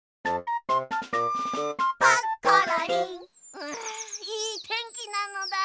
うんいいてんきなのだ。